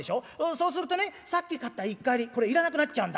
そうするとねさっき買った１荷入りこれ要らなくなっちゃうんだ。